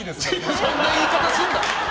そんな言い方すんな！